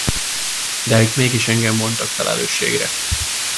De ők mégis engem vontak felelősségre.